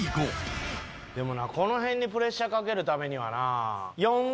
でもなこの辺にプレッシャーかけるためにはな。